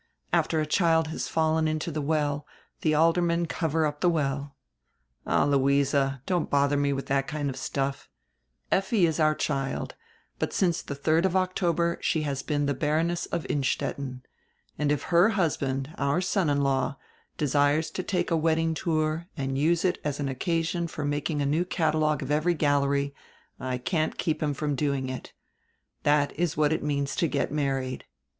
After a child has fallen into the well die aldermen cover up die well." "All, Luise, don't bother me widi diat kind of stuff. Effi is our child, but since die 3d of October she has been die Baroness of Innstetten. And if her husband, our son in law, desires to take a wedding tour and use it as an occasion for making a new catalogue of every gallery, I can't keep him from doing it. That is what it means to get married."